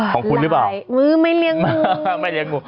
ของคุณหรือเปล่าหื้มไม่เหลียงงู